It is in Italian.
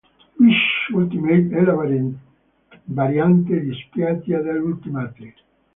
Beach Ultimate è la variante da spiaggia dell'Ultimate.